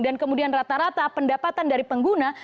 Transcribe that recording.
dan kemudian rata rata pendapatan dari pengguna